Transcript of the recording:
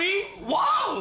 ワオ！